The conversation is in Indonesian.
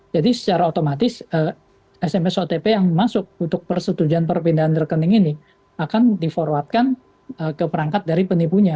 jadi secara otomatis sms otp yang masuk untuk persetujuan perpindahan rekening ini akan di forwardkan ke perangkat dari penipunya